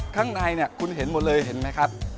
ข้างในเนี่ยคุณเห็นหมดเลยเห็นไหมครับ